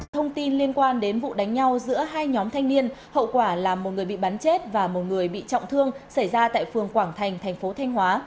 thông tin liên quan đến vụ đánh nhau giữa hai nhóm thanh niên hậu quả là một người bị bắn chết và một người bị trọng thương xảy ra tại phường quảng thành thành phố thanh hóa